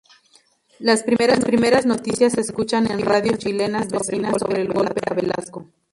Las primeras noticias se escuchan en radios chilenas vecinas sobre el golpe a Velasco.